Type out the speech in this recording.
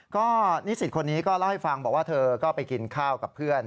ก็นิสิตคนนี้ก็เล่าให้ฟังบอกว่าเธอก็ไปกินข้าวกับเพื่อน